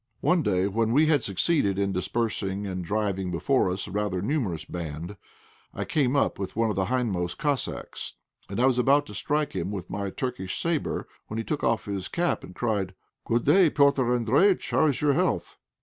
One day, when we had succeeded in dispersing and driving before us a rather numerous band, I came up with one of the hindmost Cossacks, and I was about to strike him with my Turkish sabre when he took off his cap and cried "Good day, Petr' Andréjïtch; how is your health?"